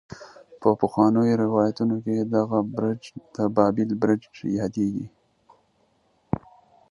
په پخوانو روايتونو کې دغه برج د بابل برج يادېږي.